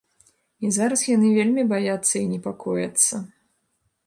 І зараз яны вельмі баяцца і непакояцца.